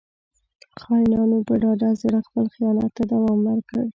• خاینانو په ډاډه زړه خپل خیانت ته دوام ورکړ.